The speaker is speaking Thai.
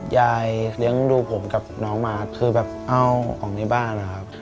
เลี้ยงดูผมกับน้องมาคือแบบเอาของในบ้านนะครับ